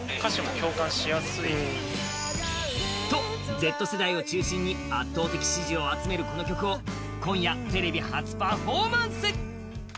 Ｚ世代を中心に圧倒的支持を集めるこの曲を今夜、テレビ初パフォーマンス。